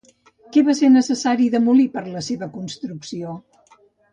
Què va ser necessari demolir per a la seva construcció?